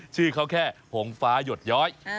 ชื่อเขาแค่หงฟ้าหยดย้อย